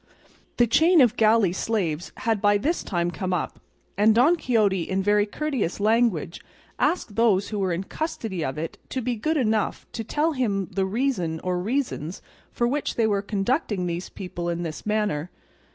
The chain of galley slaves had by this time come up, and Don Quixote in very courteous language asked those who were in custody of it to be good enough to tell him the reason or reasons for which they were conducting these people in this manner.